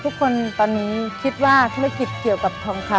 ทุกคนตอนนี้คิดว่าธุรกิจเกี่ยวกับทองคำ